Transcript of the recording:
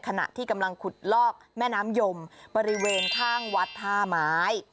ขณะที่กำลังขุดลอกแม่น้ำยมบริเวณข้างวัดท่าไม้